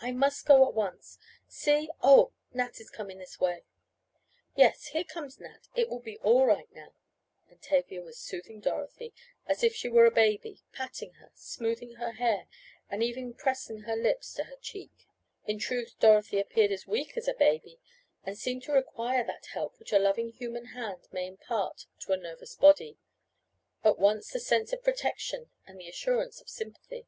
"I must go at once! See! Oh, Nat is coming this way " "Yes, here comes Nat. It will be all right now," and Tavia was soothing Dorothy as if she were a baby patting her, smoothing her hair, and even pressing her lips to her cheek. In truth Dorothy appeared as weak as a baby, and seemed to require that help which a loving human hand may impart to a nervous body, at once the sense of protection and the assurance of sympathy.